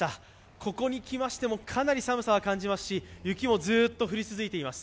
ここに来ましてもかなり寒さを感じますし、雪もずーっと降り続いています。